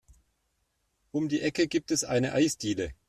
Um die Ecke gibt es eine Eisdiele.